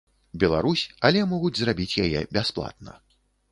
Беларусь, але могуць зрабіць яе бясплатна.